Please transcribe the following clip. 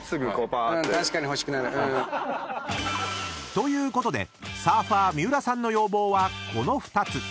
［ということでサーファー三浦さんの要望はこの２つ］